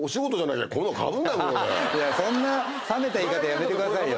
いやそんな冷めた言い方やめてくださいよ。